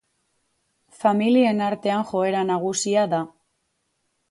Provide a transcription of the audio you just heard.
Familien artean joera nagusia da.